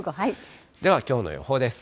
では、きょうの予報です。